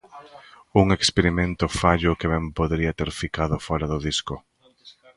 Un experimento fallo que ben podería ter ficado fora do disco.